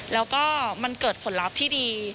แล้วก็มันเกิดผลลัพธ์ที่ดี